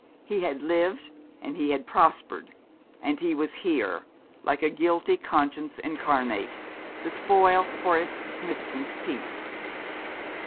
He had lived and he had prospered; and he was here, like a guilty conscience incarnate, to spoil Horace Smithson's peace.